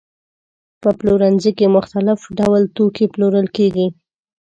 په پلورنځي کې مختلف ډول توکي پلورل کېږي.